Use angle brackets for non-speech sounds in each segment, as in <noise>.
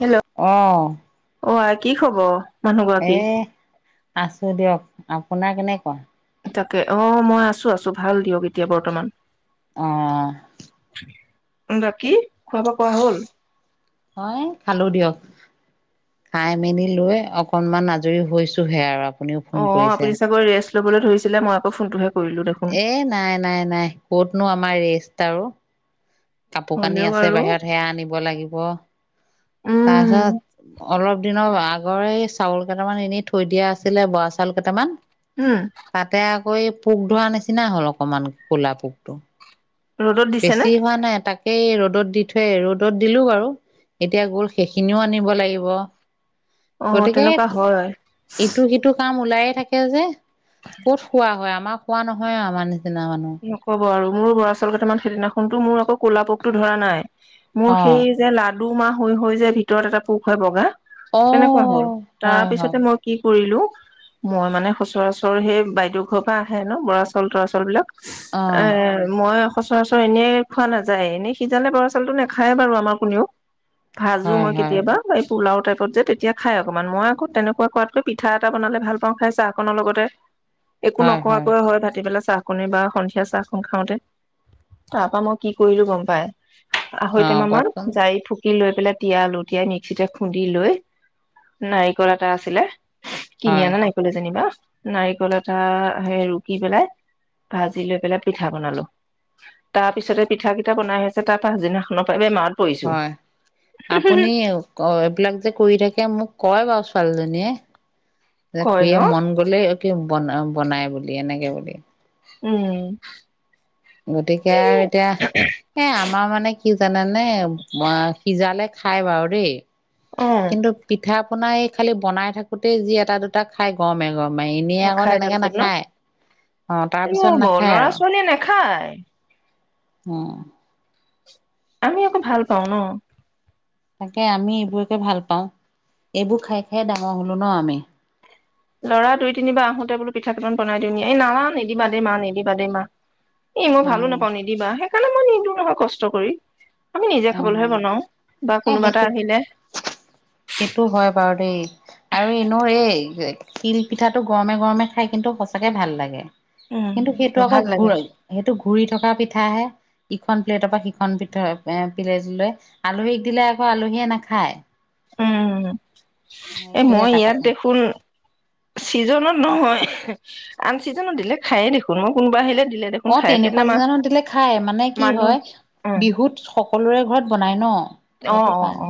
Hello অ, আই কি খবৰ? এ মানুহগৰাকী আছোঁ দিয়ক, আপোনাৰ কেনেকুৱা? তাকে অ, মই আছো, আছো ভাল দিয়ক এতিয়া বৰ্তমান। অ। উম, বাকী খোৱা বোৱা কৰা হ'ল মই খালো দিয়ক, খাই মেলি লৈ অকনমান আজৰি হৈছোহে আৰু আপুনিও ফোন অ, কৰিছে। আপুনি চাগৈ ৰেষ্ট লবলৈ ধৰিছিলে, মই আকৌ ফোনটোহে কৰিলো দেখোন এ, নাই, নাই নাই, ক'তনো আমাৰ ৰেষ্ট আৰু কাপোৰ কানি হ'লেও আছে আৰু বাহিৰত সেয়া আনিব লাগিব। উম তাৰপিছত অলপ দিনৰ আগৰে, চাউল কেইটামান এনে থৈ দিয়া আছিলে, বৰা চাউল কেইটামান উম। কৈ পোক ধৰা নিচিনা হল, অকমান ক'লা পোকটো ৰ'দত দিছে নে বেছি হোৱা নাই, এটাক এই ৰ'দত দি থয়ে, ৰ'দত দিলো বাৰু, এতিয়া গ'ল। সেইখিনিও আনিব লাগিব। অ গতিকে তেনেকুৱা হয় ইটো, সিটো কাম ওলায়ে থাকে যে ক'ত খোৱা হয় আ আমাৰ খোৱা নহয় আমাৰ নি নকব আৰু মোৰ বৰাচাউল কেইটামান সেইদিনাখনতো মোৰ আকৌ কলাপোকতো ধৰা নাই মোৰ অ সেই যে লাড দুমাহ হৈ হৈ যে ভিতৰত এটা পোক হয় বগা অ তেনেকোৱা হ'ল তাৰ হয় হয় পিছতে মই কি কৰিলো মই মানে সচৰাচৰ সেই বাইদেউ ঘৰৰ পৰা আহে ন বৰাচল তৰাচল বিলাক অ এ মই সচৰাচৰ এনেই খোৱা নাযায় এনে সিজালে বৰা চাউলতটো নাখায় বাৰু আমাৰ কোনেও ভাজো হয় মই হয় কেতিয়াবা পোলাও টাইপত যে তেতিয়া খায় অকণমান মই আকৌ তেনেকুৱা কোৱাতকৈ পিঠা এটা বনালে ভাল পাওঁ খাই চাহকনৰ লগতে একো নখোৱাকৈ হয় ভাটিবেলা চাহকনে বা সন্ধিয়া চাহখন খাওঁতে তাৰপা মই কি কৰিলো গম পাই আঢ়ৈ অ টেমা মান কওকচোন যাৰি ফুকি সি লৈ পেলাই তিয়ালো তিয়াই মিক্সিতে খুন্দি লৈ নাৰিকল এটা আছিলে কিনি হয় আনা নাইকলে যেনিবা নাৰিকল এটা সে ৰুকি পেলাই ভাজি লৈ পেলাই পিঠা বনালো তাৰ পিছতে পিঠা কেইটা বনাই হৈছে তাৰ পাছদিনাখনৰ পৰা বেমাৰত পৰিছো হয় আপুনি এইবিলাক যে কৰি থাকে মোক কয় বাৰুচোন পালোনে এ কয় খে ন মন গ'লে অ কি বন বনাই বুলি এনেকে বুলি উম গতিকে আৰু এতিয়া এ আমাৰ মানে কি কি জানোনে অ সিজালে খাই বাৰু দেই অ কিন্তু পিঠা পনাই খালি বনাই থাকোতেই যি এটা দুটা খাই গৰমে গৰম নাখায় তাৰপিছত ন অ তাৰপিছত ত ল'ৰা নাখায় ছোৱালীয়ে নাখায় অহ আমি এককৌ ভাল পাওঁ ন। তাকে আমি এইবোৰকে ভাল পাওঁ, এইবোৰ খাই খাই ডাঙৰ হলো ন আমি। লৰা দুই তিনিবাৰ আহোতে বোলো পিঠা কেইটন বনাই দিওঁ নি, এই নালা নিদিবা দেই মা নিদিবা দেই মা। এ' মই অ ভালো নাপাওঁ নিদিবাাহে। মই নিজ লগ কষ্ট কৰি। আমি নিজে খাবলৈহে অ' বনাও বা এ কোনোবা এটা সেইটো, আহিলে সেইটো হয় বাৰু দেই আৰু এ' ন এই শতিিল পিঠাটো গৰমে গৰমে খাই কিন্তু সচাকে ভাল লাগে উম কিন্তু সেইটো আকৌ ভাল লাগে ঘূৰা, সেইটো ঘূৰি থকা পিঠাহে। ইখন প্লেটৰ পৰা সিখন পৃঠয় এ প্লেট লৈ, আলহীক দিলে আকৌ আলহীয়ে নাখায়্ উম। এ' এইটোয়ে মই এটা ইয়াত কথা দেখোন চিজনত নহয় আন চিজনত দিলে খায়েই দেখোন, মই কোনোবা আহিলে দিলে দেখোন অঁ খাই তেনেকুৱা সেইদিনা মা চিজনত সু দিলে খায়, মানে কি মানুহ হয় বিহুত সকলোৰে ঘৰত বনায় ন। সেইটো অ-অ-। অ কাৰণে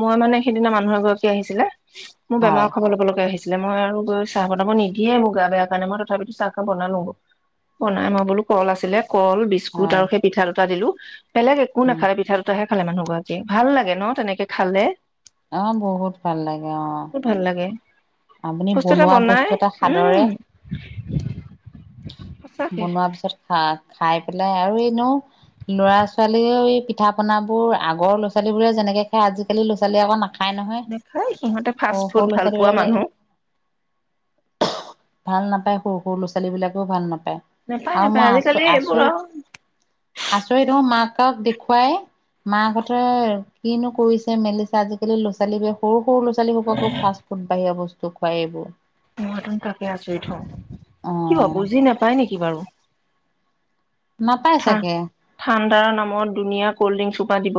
মই মানে সেইদিনা মানুহ এগৰাকী আহিছিলে। মোৰ হয় বেমাৰৰ খাব ল'ব লগা আহিছে। আছিলে মই আৰু গৈ চাহ বনাব নিদিয়ে মুগা বেয়া কাৰণে মই তথাপিতো চাহ খা কাপ বনালো বনাই, মই বোলো কল আছিলে কল বিস্কুট হয় আৰু সেই পিঠা দুটা দিলো। উ <unintelligible> পেললোক একো উম নাখালে, পিঠাটোহে খালে মানুহ গৰাকী, ভাল লাগে ন তেনেকে খালে। অঁ বহুত ভাল লাগে অঁ। বহুত ভাল লাগে আপুনি বস্তু এটা বনোৱা বনাই বস্তু এটা খাদৰে উম সঁচাকে বনোৱাৰ পিছত খা খাই পেলাই আৰু এ নো ল'ৰা ছোৱালীয়েও এই পিঠা পনাবোৰ আগৰ ল'ৰাোৱালী বোৰে যেনেকে খাই আজিকালি ল'ৰাোৱালীয়ে আকৌ নাখায় নহয় দেখাই সিহঁতে ফাষ্ট সৰু ফুড ভাল সৰু পোৱা ল'ৰা ছোৱালী বিলাকে মানুহ। ভাল নাপায় সৰু সৰু ল'ৰা ছোৱালী বিলাকেও ভাল নাপায়। নেপায় আৰু নেপায় মই আচ আজিকালি এইবোৰ আৰু আচৰিত আচৰিত হ'মাক আক দেখুৱাই মাহঁতে কিনো কৰিছে মেলিছে, আজিকালি ল'ৰা ছোৱালীব সৰুৰু সৰু'ৰাোৱালীসকো ফাষ্ট ফডঢ়ি বস্তু তো খুৱাইব। মইতুন তাকে আচৰিত হওঁ, কিয় ক অ' বুজি নাপাই নেকি বাৰু? নাপাই চাগে। ধুনীয়া কল্ড ড্ৰিংক চোপা দিব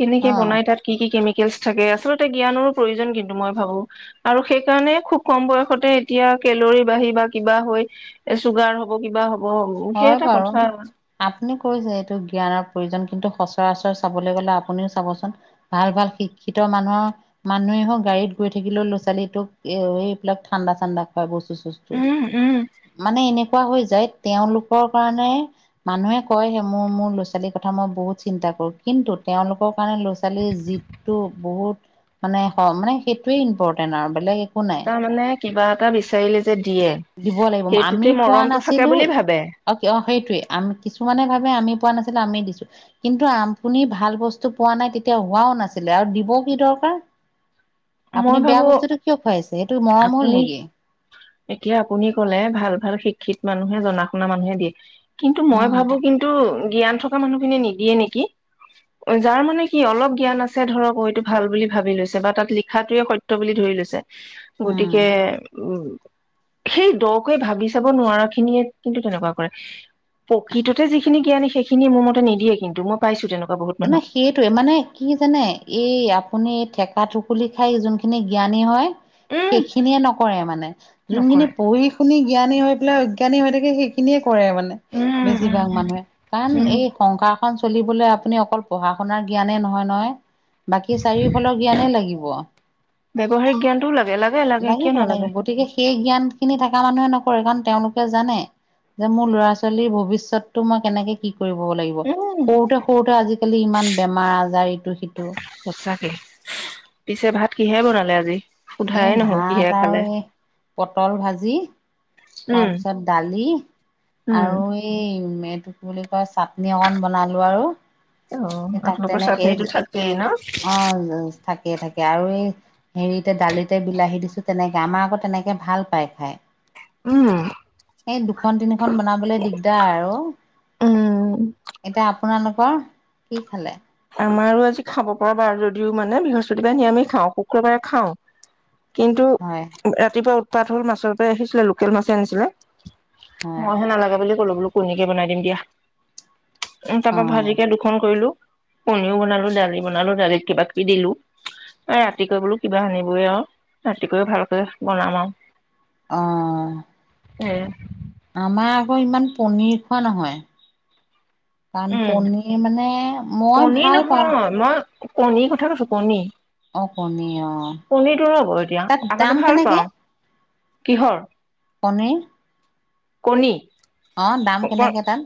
কেনেকে অ' বনাই তাত কি কি কেম জ্ঞানৰো প্ৰয় কিন্তু মই ভাবো আৰু সেই কাৰনে খুব কম বয়সতে এতিয়া কেলৰী বাঢ়ি বা কিবা হয় চুগাৰ হব কিবা হ অ সেই হয় এটা বাৰু। কথা আপুনি কৈছে এইটো জ্ঞানৰ প্ৰয়োজন কিন্তু সচৰাচৰ চাবলৈ গলে আপুনিও চাবচোন ভাল ভাল শিক্ষিত মানুহৰ মানুহে হওক গাড়ীত গৈ থাকিলেও ল'ছোৱালীটোক এইবিলাক ঠাণ্ডা চাণ্ডা খুৱাই বস্তু উম উম মানে এনে কোৱা হৈ যায় তেওঁলোকৰ কাৰণে মানুহে কয় সে মোৰ মোৰ ল'ৰা ছোৱালীৰ কথা মই বহুত চিন্তা কৰো কিন্তু তেওঁলোকৰ কাৰণে ল'ৰা ছোৱালীৰ যিটো বহুত মানে মানে সেইটোয়ে ইম্পৰ্টেণ্ট আৰু বেলেগ একো নাই তাৰ মানে কিবা এটা বিচাৰিলে যে দিয়ে দিব লাগিব সেইটোতে আমি পোৱা মৰমটো থাকে নাছিলো বুলি ভাবে অ সেইটোৱে আমি কিছুমানে ভাবে আমি পোৱা নাছিলো আমি দিছো কিন্তু আপুনি ভাল বস্তু পোৱা নাই তেতিয়া হোৱাও নাছিলে আৰু দিব কি দৰকাৰ মই আপুনি বেয়া ভাবো বস্তুটো কিয় খুৱাইছে সেইটো মৰম হ'ল আপুনি নেকি এতিয়া আপুনি কলে ভাল ভাল শিক্ষিত মানুহে জনা শুনা মানুহে দিয়ে কিন্তু মই উম ভাবো কিন্তু জ্ঞান থকা মানুহখিনিয়ে নিদিয়ে নেকি যাৰ মানে কি অলপ জ্ঞান আছে ধৰক এইটো ভাল বুলি ভাবি লৈছে বা তাত লিখাটোৱে সত্য বুলি ধৰি লৈছে উম গতিকে উম সেই দকৈ ভাবি চাব নোৱাৰা খিনিয়ে কিন্তু তেনেকুৱা কৰে প্ৰকৃততে যিখিনি জ্ঞানী সেইখিনিয়ে মোৰ মতে নিদিয়ে কিন্তু মই পাইছো তেনেকুৱা বহুত ন মানুহ সেইটোৱে মানে কি জানে এই আপুনি থেকা থুকুলি খাই যোনখিনি জ্ঞানী হয় উম সেইখিনিয়ে নকৰে মানে যোনখিনি নকৰে পঢ়ি শুনি জ্ঞানী হৈ পেলাই অজ্ঞানী হৈ থাকে সেইখিনিয়ে কৰে মানে উম উম বেছিভাগ মানুহে কাৰণ উম এই কংকা অ চলিবলৈ আপ আপুনি অকল পঢ়া শুনাৰ জ্ঞানে নহয় নহয় বাকী চাৰিওফালৰ জ্ঞানেই লাগিব ব্যৱহাৰিক জ্ঞানটোও লাগে লাগে লাগে কিয় লাগিব নালাগে লাগিব গতিকে সেই জ্ঞান খিনি থকা মানুহে নকৰে তেওঁলোকে জানে যে মোৰ ল'ৰা ছোৱালীৰ ভৱিষ্যতটো মই কেনেকে কি কৰিম কৰিব লাগিব উম সৰুতে সৰুতে আজিকালি ইমান বেমাৰ আজাৰ ইটো সিটো সঁচাকে পিছে ভাত কিহে বনালে আজি এই সোধাই নহল কিহে ভাত খালে? আৰু এই পটল ভাজি উম তাৰপিছত দালি আৰু এই মোলটো পৰিলে। ই চাটনি অকণ বনালো আৰু অ তাক আপোনালোকৰ তেনেকেই। চাটনিটো থাকেই ন? অ। থাকেইে থাকে আৰু এই হেৰিতে দালিতে বিলাহী দিছো তেনেকে আমাৰ আকৌ তেনেকে ভাল পাই খাই। উম। এই দুখন তিন খন। বনাবলে দিগদাৰ আৰু এতিয়া। আপোনালোকৰ কি খালে। আমাৰো আজি খাব পৰা বাৰু যদিও মানে বৃহস্পতিবাৰে নিৰামিষ খাওঁ শুক্ৰবাৰে খাওঁ। কিন্তু হয় ৰাতিপুৱা। তাত হ'ল মাছৰ পৰা আহিছিলে লোকেল মাছে আনিছিলে। হয় মই হে নালাগে বুলি। ক'লো বোলো কণীকে বনাই দিম দিয়া। উ অ তাৰাপা ভাজিকে দুখন কৰিলো কণীও বনালো দালি বনালো দালিত কিবা কিবি দিলো আৰু ৰাতিক বোলো কিবা আনিবই আৰু ৰাতিকও ভালকে বনাম আৰু। অহ। উম। আমাৰ আগ ইমান পনিৰ খোৱা নহয়। কাৰণ উম পনীৰ মানে মই ভাল নহয় পাওঁ। মই কণী কথা কৈছো কণী। অ কণী অ কণটোৰ হ'ব এতিয়া তাত আগতে দাম ভাল কেনেকে পাওঁ। কিহৰ। পনি। কনি। কেনেকে তাত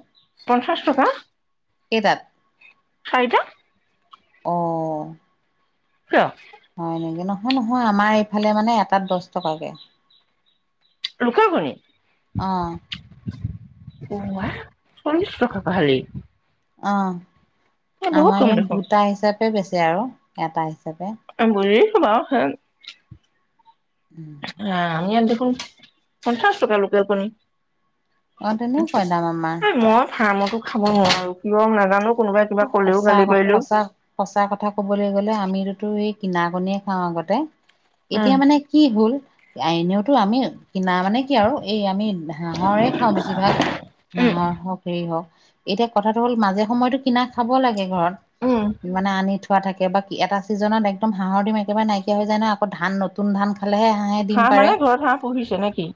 পঞ্চাশ টকা কেইটাত চাৰিটা। অ কিয় হয় নেকি ন্ নহয় নহয় আমাৰ এইফালে মানে এটাত দহ টকাকে। লুকেল কণী অ অ ওৱা চল্লিশ টকাকৈ বাহৰে। অহ। আমাৰ ইয়াত দেখোন দুুটা হিচাপ। তেনেকৈ বেছে আৰু এটা হিচাপে। আ বুজিছো বাও। উম। আমি আৰু দেখোন পঞ্চাছ টকা লোকেলকণী। অ তেনে কোৱা দাম আমাৰ। ফামতো খাব নোৱাৰো কিয় নাজানো। কোনোবাই কিবা কলেও সঁচা গালি পাৰিলেও সচা সঁচা কথা কবলৈ গ'লে আমিতোতো এই কিনা কনিয়ে খাওঁ আগতে উম এতিয়া মানে কি হ'ল আইনেওতো আমি। কিনা মানে কি? আৰু এই আমি হাঁহৰে খাওঁ বেছিভাগ। উম হাঁহৰ হওক এই হওক। এতিয়া কথাটো হ'ল, মাজে সময়তো। কিনা খাব লাগে ঘৰত। উম মানে আনি থ খোৱা থাকে। বাকী এটা ছিজনত একদম হাঁহৰ ডিম একেবাৰে নাইকিয়া হৈ যায়। ন, আকৌ ধান নতুন ধান। খালেহে হাঁহে ডিম হাঁহ মানে ঘৰত হাঁহ পুহিছে নেকি?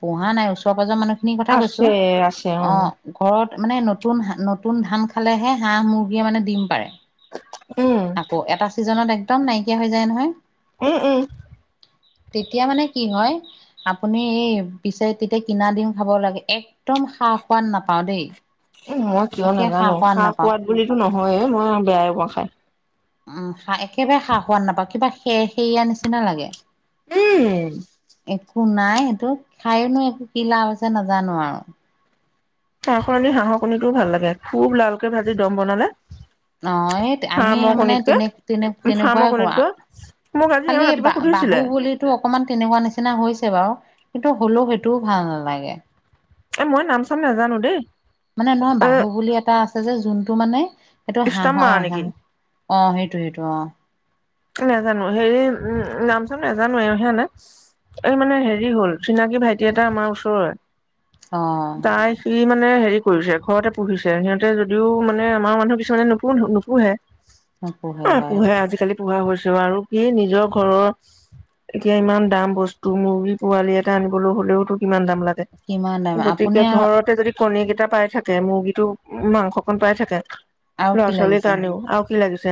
পুহা নাই। ওচৰ পাজৰ মানুহ কি কথা কৈছো? আছে অ, উম ঘৰত। মানে নতুন হান নতুন ধান। খালেহে হাঁহ, মুৰ্গীয়ে মানে ডিম পাৰে। উম আকৌ এটা ছিজনত এক একদম নাইকিয়া হৈ যায় নহয়। উম, উম। তেতিয়া মানে কি হয়? আপুনি পিছে তিতে কিনা ডিম খাব লাগে। একদম সা সোৱাদ নাপাওঁ দেই। উম, মই কিয় একে সা নেজানো। সোৱাদ নাপাওঁ সা-সোৱাদ বুলিটো নহয়ে মই বেয়াইয়ে পাওঁ খাই। উম, একেবাৰে সা -সোৱাদ নাপাওঁ। কিবা সেৰসেৰীয়া নিচিনা লাগে। উম। একো নাই সেইটো। খাইনো এক কি লাভ আছে নাজানো আৰু। হাঁহৰ নে হাঁহৰ কণীটো ভাল লাগে? খুব লালকে ভাজি দম বনালে। অঁ এই আমি ফাৰ্মৰ মানে কণীতকে তেনে-তেনে তেনেকুৱা ফাৰ্মৰ <unintelligible> কণীতকৈ মোক আজি এওঁ খালি ৰাতিপুৱা বা-বাহু সুধিছিলে বুলিতো অকমান তেনেকুৱা নিচিনা হৈছ বাৰু। কিন্তু হলো সেইটোও ভাল নেলাগে। এ মই নামচাম নেজানো দেই। মানে <unintelligible> এ বাহু বুলি এটা। যে যোনটো মানে? সেইটো ইষ্টাম মা হাঁহৰ আহা নেকি অ, সেইটো। <unintelligible> নেজানো হেৰি উম, উম নামটো নেজানো। <unintelligible> এই মানে হেৰি হল চিনাকি ভাইটি এটা আমাৰ ওচৰৰে। অ তাই সি মা মানে হেৰি কৰিছে, ঘৰতে পুহিছে সিহঁতে যদিও মানে আমাৰ মানুহ কিছুমানে নুপূহে। নপূহে হয়। পোৱা হৈছে অ', আৰু। কি নিজৰ ঘৰৰ এতিয়া ইমান দাম বস্তু মুৰ্গী পোৱালি এটা আনিবলৈ হ'লেওটো কিমান দাম লাগে। কিমান দাম গতিকে আপুনি আৰু ঘৰতে যদি। কণী কেইটা পাই থাকে। মুৰ্গীটো মাংসকণ পাই থাকে। আৰু কি লৰা-ছোৱালী লাগিছে কাৰণেও আউ কি লাগিছে?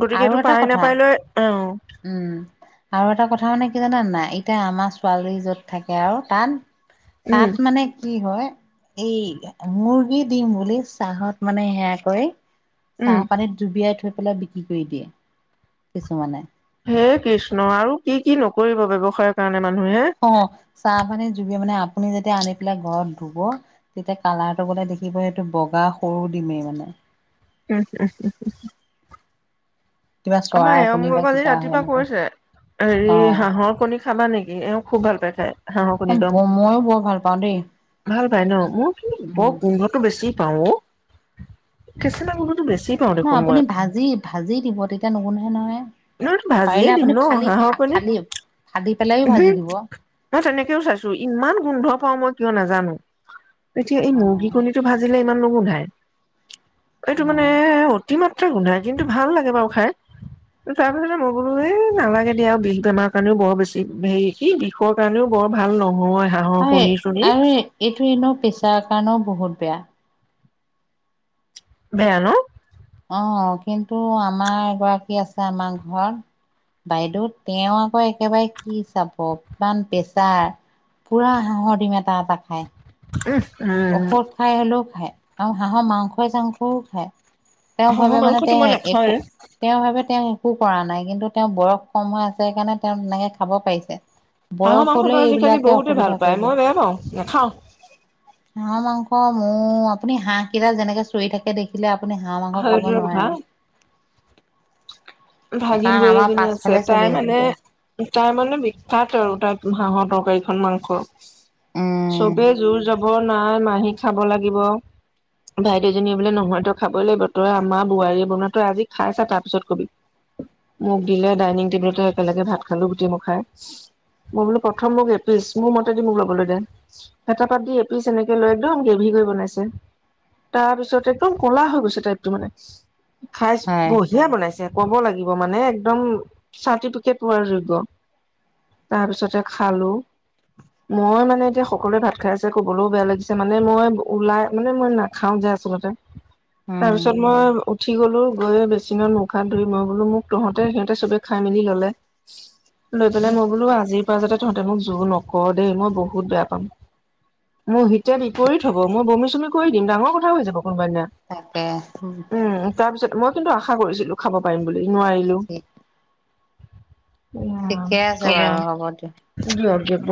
গতিকে আৰু এইটো এটা পাৰি নে? কথা উম আৰু এটা কথা মানে কি জানা নে নাই এতিয়া আমাৰ ছোৱালী য'ত থাকে, আৰু তাত উম তাত মানে কি হয়- এই মুৰ্গী দিম বুলি চাহত মানে সেয়া কৈ উম চাহ পানীত ডুবিয়াই থৈ <unintelligible> কৰি দিয়ে। কিছুমানে- হে কৃষ্ণ আৰু কি কি নকৰিব ব্যৱসায়ৰ কাৰণে মানুহে অ চাহ মানে জুবি মানে আপুনি যেতিয়া আনি পেলাই ঘৰত ধুব, তেতিয়া কালাৰটো গলে দেখিব এইটো বগা সৰু দিমেই মানে। <unintelligible> কিবা আমাৰ চৰাই এওঁ কণী বা মোক আজি কিবা হয় ৰাতিপুৱা এনেকুৱা কৈছে হেৰি হাঁহৰ কণী খাবা নেকি এওঁ খুব ভাল পাই খায়। হাঁহৰ অ ময়ো বৰ ভাল পাওঁ দেই ভাল পাই ন মোৰ বৰ উম গোন্ধটো বেছি <unintelligible> পাওঁ ন দেখোন মই আপুনি ভাজি-ভাজি দিব তেতিয়া নহয় ন ভাজিয়ে পাৰিলে দিম আপুনি ন ফালি হাঁহৰ কণি। ফালি ফালি পেলাইও ভাজি দিব। তেনেকৈও চাইছো ইমান গোন্ধ পাও মই কিয় নাজানো। এতিয়া এই মুৰ্গী অ'। কণীটো ভাজিলে ইমান নুগুন্ধাই। এইটো মানে অ', অতি গোন্ধাই কিন্তু ভাল লাগে বাৰু খাই। তাৰ পিছতে মই বোলো এ নালাগে দিয়া আৰু বিষ বেমাৰৰ কাৰণেও বৰ বেছি হেৰি কি বিষৰ কাৰণেও বৰ ভাল নহ। হয় আৰু এইটো এনেও পেচাৰ কাৰণেও বহুত বেয়া। বেয়া নো অহ কিন্তু আমাৰ এগৰাকী আছে আমাৰ ঘৰত। বাইদেউ তেওঁ আকৌ একেবাৰে কি চাব ইমান প্ৰেছাৰ পুৰা হাঁহৰ দিম এটা-এটা খাই। <unintelligible> ঔষধ খাই হ'লেও খাই আৰু হাঁহৰ মাংসই চাংসও খায় তেওঁ হাঁহৰ ভাৱে মানে মাংসটো তেওঁ মই একো নাখাওৱে তেওঁ ভাবে তেওঁ একো কৰা নাই কিন্তু তেওঁ বয়স কম হৈ আছে সেই কাৰণে তেওঁ তেনেকৈ খাব পাৰিছে। হাঁহৰ বয়স হলে মাংসটো আজিকালি এইবিলাকে বহুতে অসুবিধা ভাল পায় কৰিব। মই বেয়া পাওঁ নাখাওঁ হাঁহ মাংস মৌ আপুনি হাঁহ কেইডাল যেনেকৈ চিঞৰি থাকে আপুনি দেখিলে আপুনি হাঁহ মাংস খাব হয়টো কথা নোৱাৰে। ভাগিন কাৰণ বোৱাৰী আমাৰ এজনী আছে পাছফালে তাই চলি মানে থাকে তাই মানে বিখ্যাত আৰু তাই হাঁহৰ তৰকাৰী আৰু মাংস উম চবে জোৰ যবৰ নাই মাহী খাব লাগিব ভাইটিজনী বোলে নহয়তো খাব লাগিব তই আমাৰ বোৱাৰীয়ে বনা তই আজি খাই ছা তাৰ পিছত কবি। মোক দিলে ডাইনিং টেবুলতে একেলগে ভাত খালো। গোটেই মই খাই মই বোলো প্ৰথম মোক এপিচ, মোৰ মতেদি মোক লবলৈ হেতা পাত দি এপিচ এনেকে লৈ একদম গ্ৰেভি কৰি বনাইছে। তাৰ পিছত একদম কলা হৈ গ টাইপটো মানে খাই হয় বঢ়িয়া বনাইছে। ক'ব লাগিব মানে একদম চাৰটিফিকেট পোৱাৰ যোগ্য। তাৰপিছতে খালো, মই মানে এতিয়া সকলোৱে ভাত খাই আছে, কবলৈও বেয়া লাগিছে, মানে মই ওলাই মানে মই নাখাও যে আচলতে। তাৰ উম। পিছত মই উঠি গলো গৈয়ে বেছিমান মুখ হাত ধুই মই বোলো মোক তহঁতে সিহঁতে চবে খাই মেলি ললে লৈ পেলাই মই বোলো আজিৰ পৰা যাতে তহঁতে মোক জোৰ নকৰ দেই মই বহুত বেয়া পাম। মোৰ হিতে বিপৰীত হব মই বমি চুমিক কৈ দিম ডাঙৰ কথা হৈ যাব কোনবাদিনা তাকে উম তাৰপিছত মই কিন্তু আশা কৰো ছিলো খাব পাৰি বুলি নোৱাৰিলো ঠিকে আছে বাৰু হ'ব দিয়ক। কব